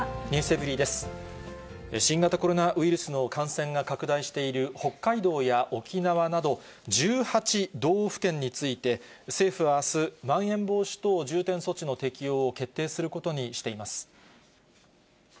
新型コロナウイルスの感染が拡大している北海道や沖縄など、１８道府県について、政府はあす、まん延防止等重点措置の適用を決定することにしています。